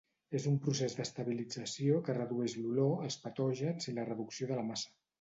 És un procés d'estabilització, que redueix l'olor, els patògens i la reducció de la massa.